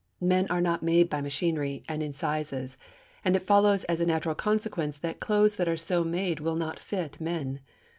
Men are not made by machinery and in sizes; and it follows as a natural consequence that clothes that are so made will not fit men.